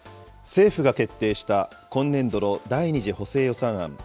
政府が決定した今年度の第２次補正予算案。